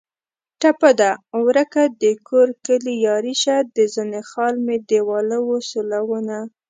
ټپه ده: ورکه دکور کلي یاري شه د زنې خال مې دېواله و سولونه